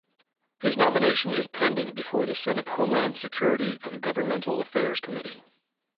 His nomination is pending before the Senate Homeland Security and Governmental Affairs Committee.